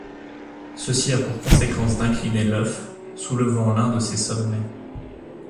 Ceci a pour conséquence d'incliner l'œuf, soulevant l'un de ses sommets.